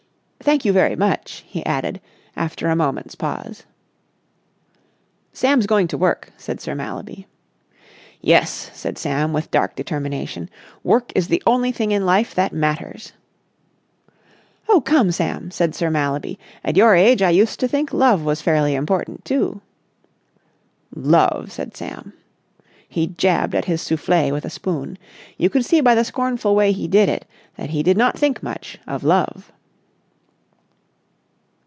Thank you very much," he added, after a moment's pause. "Sam's going to work," said Sir Mallaby. "Yes," said Sam with dark determination. "Work is the only thing in life that matters!" "Oh, come, Sam!" said Sir Mallaby. "At your age I used to think love was fairly important, too!" "Love!" said Sam. He jabbed at his soufflé with a spoon. You could see by the scornful way he did it that he did not think much of love.